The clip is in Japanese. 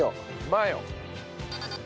マヨ。